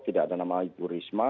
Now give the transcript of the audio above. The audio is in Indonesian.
tidak ada nama ibu risma